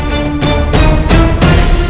tetapi tolong aku